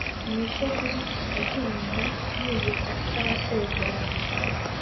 niko guhita agenda yihuta atanabasezeye